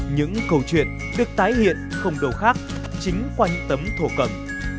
những câu chuyện được tái hiện không đâu khác chính quanh tấm thô cầm